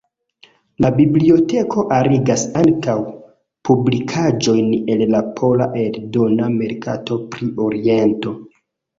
La biblioteko arigas ankaŭ publikaĵojn el la pola eldona merkato pri Oriento.